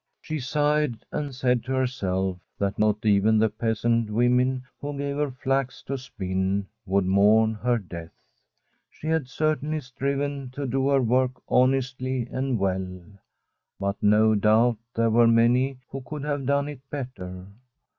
She sighed, and said to herself that not even the peasant women who gave her flax to spin would mourn her death. She had certainly striven to do her work honestly and well, but no doubt there were many who could have done it better.